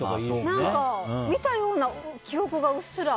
何か、見たような記憶がうっすら。